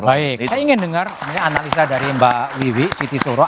baik kita ingin dengar sebenarnya analisa dari mbak wiwi siti soro